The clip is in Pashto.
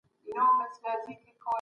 څېړونکی باید له احساساتو څخه کار وانخلي.